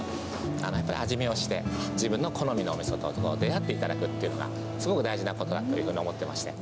だからやっぱり味見をして、自分の好みのおみそと出会っていただくっていうのが、すごく大事なことだというふうに思っていまして。